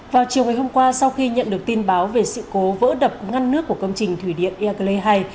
vào chiều ngày hôm qua sau khi nhận được tin báo về sự cố vỡ đập ngăn nước của công trình thủy điện iagle hai